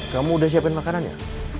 kamu udah siapkan makanan ya